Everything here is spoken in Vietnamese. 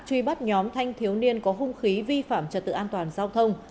truy bắt nhóm thanh thiếu niên có hung khí vi phạm trật tự an toàn giao thông